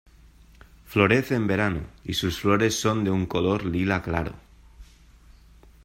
Florece en verano, y sus flores son de un color lila claro.